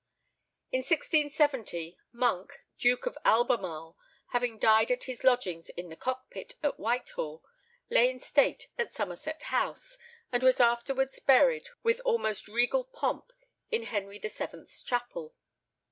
In 1670 Monk, Duke of Albemarle, having died at his lodgings in the Cockpit, at Whitehall, lay in state in Somerset House, and was afterwards buried with almost regal pomp in Henry VII.'s Chapel.